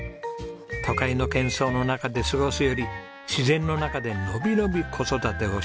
都会の喧噪の中で過ごすより自然の中で伸び伸び子育てをしたい。